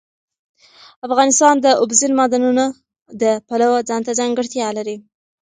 افغانستان د اوبزین معدنونه د پلوه ځانته ځانګړتیا لري.